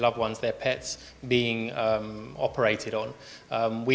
anak anak mereka yang dioperasi